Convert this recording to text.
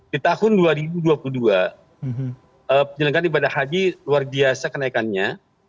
di tahun dua ribu dua puluh dua penyelenggaran ibadah haji luar biasa kenaikannya